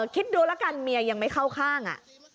คิดดูแล้วกันเมียยังไม่เข้าข้าง